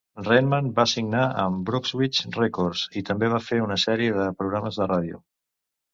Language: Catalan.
Redman va signar amb Brunswick Records i també va fer una sèrie de programes de ràdio.